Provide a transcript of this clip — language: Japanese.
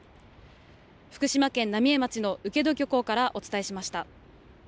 福島県浪江町の請戸漁港からお伝えしました。